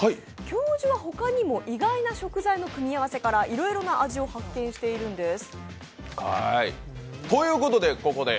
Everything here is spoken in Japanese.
教授はほかにも意外な食材の組み合わせからいろいろな味を発見しているんです。